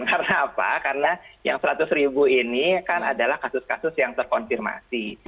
karena apa karena yang seratus ribu ini kan adalah kasus kasus yang terkonfirmasi